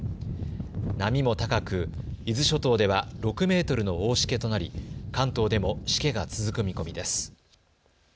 波も高く伊豆諸島では６メートルの大しけとなり関東でもしけが続く見込みです。